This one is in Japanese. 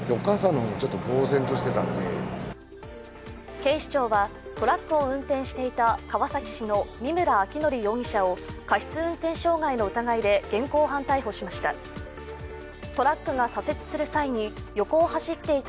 警視庁は、トラックを運転していた川崎市の見村彰紀容疑者を過失運転傷害の疑いで現行犯逮捕しました。